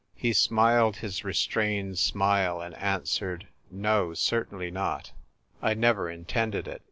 He smiled his restrained smile, and answered, " No, certainly not ; I never intended it."